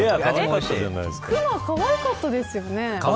クマ、かわいかったですよね。